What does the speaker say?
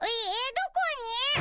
どこに？